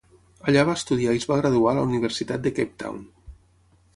Allà va estudiar i es va graduar a la Universitat de Cape Town.